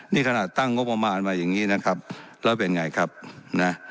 นี่ขนาดตั้งงบประมาณมาอย่างนี้นะครับแล้วเป็นไงครับนะ